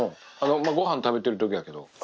ごはん食べてるときやけど。